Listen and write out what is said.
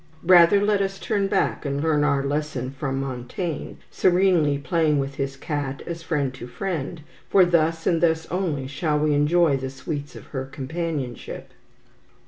Rather let us turn back and learn our lesson from Montaigne, serenely playing with his cat as friend to friend, for thus, and thus only, shall we enjoy the sweets of her companionship.